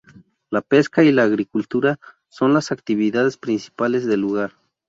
La pesca y la agricultura son las actividades principales del lugar.